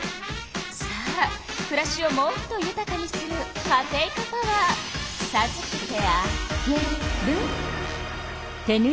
さあくらしをもっとゆたかにするカテイカパワーさずけてあげる。